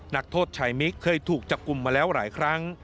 นักโทษชายมิกเคยถูกจับกลุ่มมาแล้วหลายครั้ง